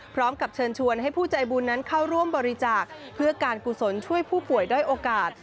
พร้อมกับเชิญชวนให้ผู้ใจบุญนั้นเข้าร่วมบริจาคเพื่อการกุศลช่วยผู้ป่วยด้อยโอกาส